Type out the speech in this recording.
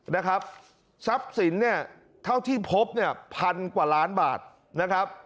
นะครับทรัพย์สินเนี่ยเท่าที่พบเนี่ยพันกว่าล้านบาทนะครับ